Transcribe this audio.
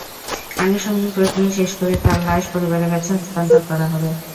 আনুষঙ্গিক প্রক্রিয়া শেষ করে তাঁর লাশ পরিবারের কাছে হস্তান্তর করা হবে।